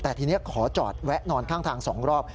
แต่ทีนี้ขอจอดแวะนอนข้างทาง๒รอบ